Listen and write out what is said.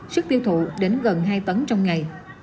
sức tiêu thụ đến gần hai tấn trong ngày